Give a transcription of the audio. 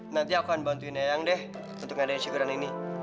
nanti akan bantuin eyang deh untuk ngadain syukuran ini